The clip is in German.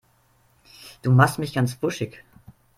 Du machst mich ganz wuschig.